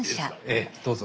ええどうぞ。